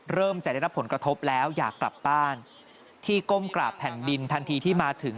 เริ่มจะได้รับผลกระทบแล้วอยากกลับบ้านที่ก้มกราบแผ่นดินทันทีที่มาถึง